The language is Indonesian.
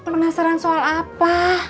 penasaran soal apa